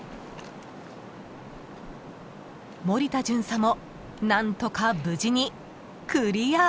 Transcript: ［森田巡査も何とか無事に］